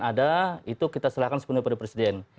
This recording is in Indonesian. tidak ada itu kita silakan sepenuhnya pada presiden